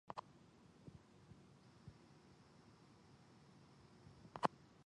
林の姿はもうどこにもない。あのときの林はまるまるショッピングモールに変わっていた。